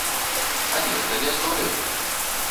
А нехта не здолеў.